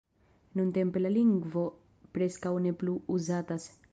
Nuntempe la lingvo preskaŭ ne plu uzatas.